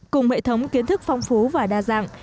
cùng hệ thống kiến thức phong phú và đa dạng